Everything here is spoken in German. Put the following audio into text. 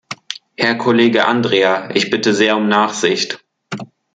Herr Kollege Andria, ich bitte sehr um Nachsicht.